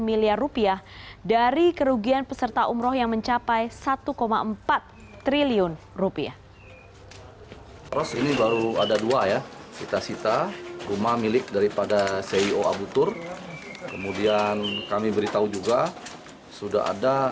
satu ratus lima puluh miliar rupiah dari kerugian peserta umroh yang mencapai satu empat triliun rupiah